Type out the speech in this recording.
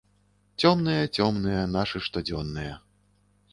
Цёмныя, цёмныя нашы штодзённыя.